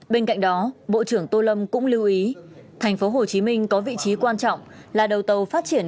bên cạnh đó bộ trưởng tô lâm cũng lưu ý tp hcm có vị trí quan trọng là đầu tàu phát triển